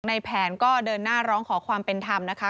ในแผนก็เดินหน้าร้องขอความเป็นธรรมนะคะ